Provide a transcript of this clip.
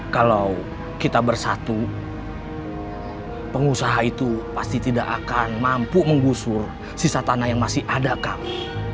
kalau kita bersatu pengusaha itu pasti tidak akan mampu menggusur sisa tanah yang masih ada kami